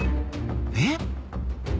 えっ！？